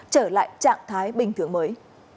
trở lại trạng thái bình thường mới